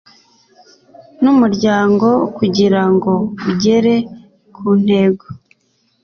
N umuryango kugira ngo ugere ku ntego